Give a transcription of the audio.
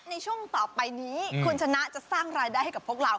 ในช่วงต่อไปนี้คุณชนะจะสร้างรายได้ให้กับพวกเรา